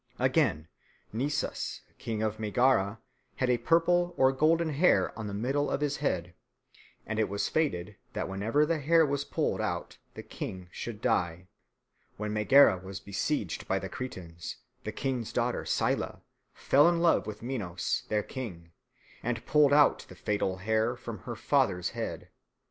Again, Nisus King of Megara had a purple or golden hair on the middle of his head, and it was fated that whenever the hair was pulled out the king should die. When Megara was besieged by the Cretans, the king's daughter Scylla fell in love with Minos, their king, and pulled out the fatal hair from her father's head.